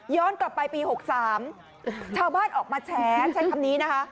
กลับไปปี๖๓ชาวบ้านออกมาแฉใช้คำนี้นะคะ